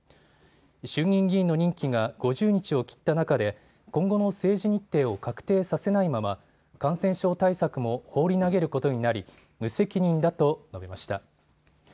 衆議院議員の任期が５０日を切った中で今後の政治日程を確定させないまま感染症対策も放り投げることになり責任だと述べました。